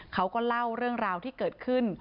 เขาก็เล่าเรื่องราวที่เกิดขึ้น